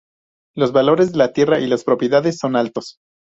Los valores de la tierra y las propiedades son altos.